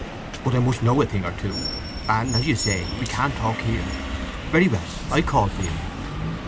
"But I must know a thing or two; and, as you say, we can't talk here. Very well; I'll call for you."